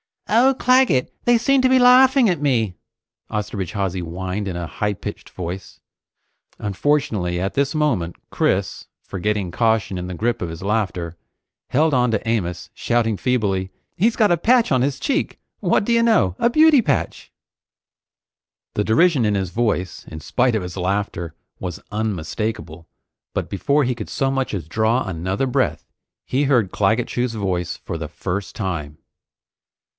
"Oh, Claggett, they seem to be laughing at me!" Osterbridge Hawsey whined in a high pitched voice. Unfortunately, at this moment Chris, forgetting caution in the grip of his laughter, held on to Amos shouting feebly: "He's got a patch on his cheek! What do you know a beauty patch!" The derision in his voice, in spite of his laughter, was unmistakable, but before he could so much as draw another breath, he heard Claggett Chew's voice for the first time.